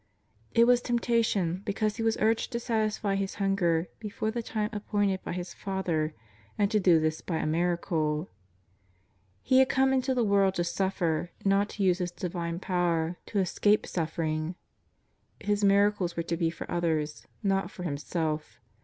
It was temptation because He was urged to satisfy His hunger before the time appointed by His Father, and to do this by l miracle. He had come into the world to suffer, not to use His divine power to escape 124 JESUS OF NAZARETH. Buffering. His miracles were to be for others, not for Himself.